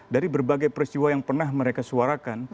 dari berbagai peristiwa yang pernah mereka suarakan